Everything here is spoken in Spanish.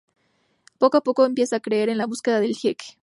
Poco a poco empieza a creer en la búsqueda del jeque.